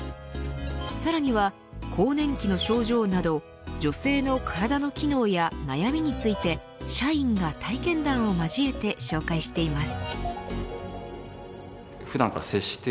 さらには更年期の症状など女性の体の機能や悩みについて社員が体験談を交えて紹介しています。